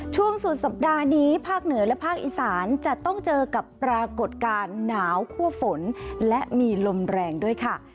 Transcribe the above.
ช่วงสุดสัปดาห์นี้ภาคเหนือและภาคอีสานจะต้องเจอกับปรากฏการณ์หนาวคั่วฝนและมีลมแรงด้วยค่ะ